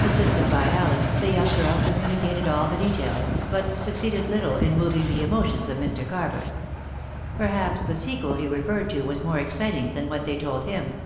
Assisted by Allen, the young girl communicated all the details, but succeeded little in moving the emotions of Mr. Carver. Perhaps the sequel he referred to was more exciting than what they told him.